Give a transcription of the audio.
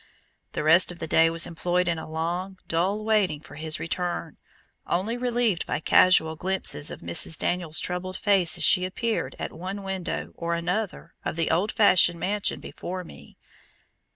The rest of the day was employed in a long, dull waiting for his return, only relieved by casual glimpses of Mrs. Daniels' troubled face as she appeared at one window or another of the old fashioned mansion before me.